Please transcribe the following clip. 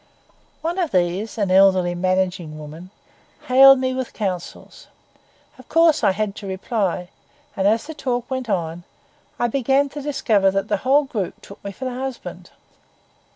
One of these, an elderly managing woman, hailed me with counsels. Of course I had to reply; and as the talk went on, I began to discover that the whole group took me for the husband.